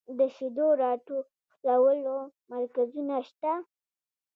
د شیدو راټولولو مرکزونه شته؟